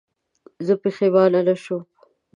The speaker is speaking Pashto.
زه پښېمانه نه شوم.